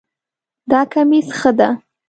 دا کمیس ښه ده